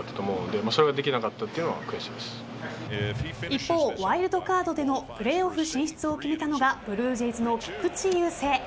一方、ワイルドカードでのプレーオフ進出を決めたのがブルージェイズの菊池雄星。